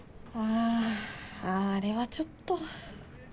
ああれはちょっと。